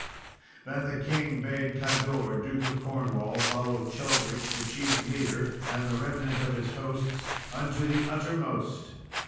Then the king bade Cador, Duke of Cornwall, follow Cheldric, the chief leader, and the remnant of his hosts, unto the uttermost.